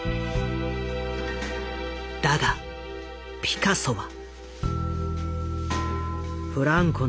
だがピカソは。